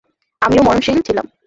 আমিও মরণশীল ছিলাম!